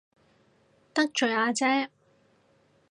得罪阿姐